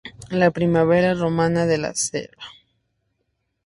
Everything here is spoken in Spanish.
La primavera romana de la Sra.